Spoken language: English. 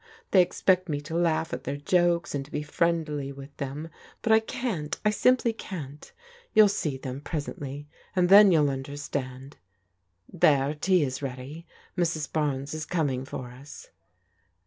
They expect me to laugh at their jokes and to be friendly with them; but I can't — I simply can't You'll see them presently, and then you'll understand. There, tea is ready ; Mrs. Barnes is coming for us."